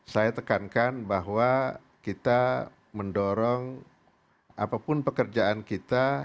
saya tekankan bahwa kita mendorong apapun pekerjaan kita